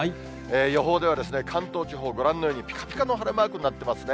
予報では関東地方、ご覧のように、ぴかぴかの晴れマークになっていますね。